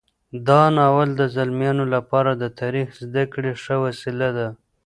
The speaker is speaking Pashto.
دا ناول د زلمیو لپاره د تاریخ زده کړې ښه وسیله ده.